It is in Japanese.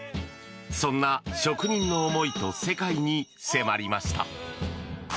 そんな職人の思いと世界に迫りました。